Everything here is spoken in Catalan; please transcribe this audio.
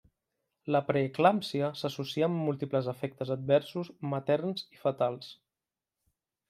La preeclàmpsia s'associa amb múltiples efectes adversos materns i fetals.